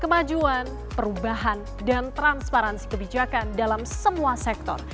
kemajuan perubahan dan transparansi kebijakan dalam semua sektor